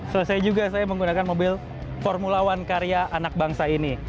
selesai juga saya menggunakan mobil formula one karya anak bangsa ini